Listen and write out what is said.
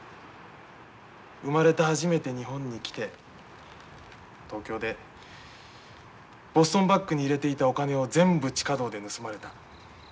生まれて初めて日本に来て東京でボストンバッグに入れていたお金を全部地下道で盗まれた。